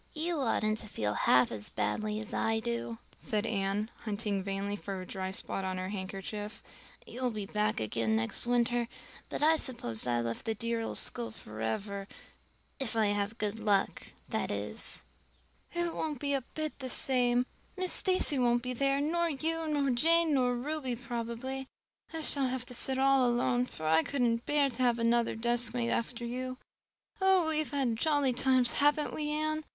"You oughtn't to feel half as badly as I do," said Anne, hunting vainly for a dry spot on her handkerchief. "You'll be back again next winter, but I suppose I've left the dear old school forever if I have good luck, that is." "It won't be a bit the same. Miss Stacy won't be there, nor you nor Jane nor Ruby probably. I shall have to sit all alone, for I couldn't bear to have another deskmate after you. Oh, we have had jolly times, haven't we, Anne?